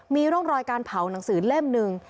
มีร่องรอยการเผาหนังสือเล่มหนึ่ง